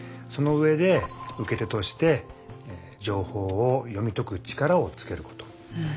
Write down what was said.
その上で受け手として情報を読み解く力をつけること。